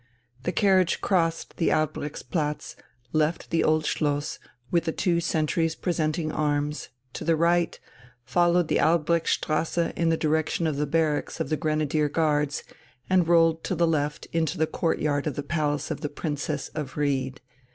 The carriage crossed the Albrechtsplatz, left the Old Schloss, with the two sentries presenting arms, to the right, followed the Albrechtstrasse in the direction of the barracks of the Grenadier Guards and rolled to the left into the courtyard of the palace of the Princess of Ried.